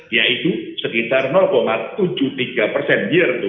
yaitu sekitar tujuh puluh tiga persen year tuh